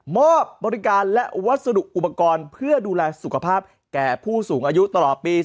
อบบริการและวัสดุอุปกรณ์เพื่อดูแลสุขภาพแก่ผู้สูงอายุตลอดปี